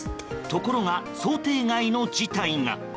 ところが、想定外の事態が。